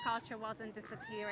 untuk saya ini adalah